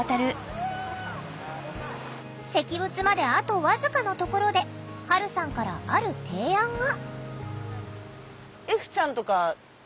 石仏まであと僅かのところではるさんからある提案が。